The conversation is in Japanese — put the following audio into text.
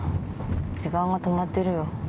時間が止まってるよ。